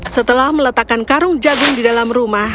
setelah meletakkan karung jagung di dalam rumah